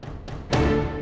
aku sudah berpikir